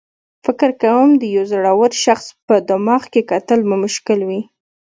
فکر کوم د یو زړور شخص په دماغ کې کتل به مشکل وي.